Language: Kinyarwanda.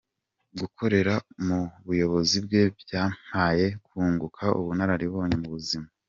Gukorera mu buyobozi bwe byampaye kunguka ubunararibonye mu buzima.